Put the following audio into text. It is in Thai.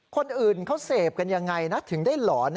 คนอื่นเขาเสพกันยังไงนะถึงได้หลอน